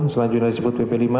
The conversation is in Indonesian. selanjutnya disebut bb lima